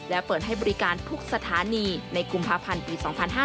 และเปิดให้บริการทุกสถานีในกุมภาพันธ์ปี๒๕๕๙